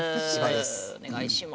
お願いします。